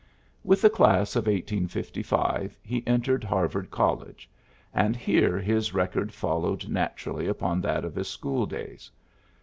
With the class of 1855 he entered Harvard College ; and here his record followed naturally upon that of his school days.